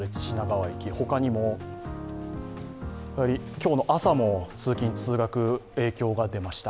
今日の朝も通勤通学、影響が出ました。